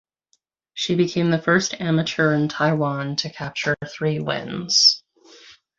She became the first amateur in Taiwan to capture three wins.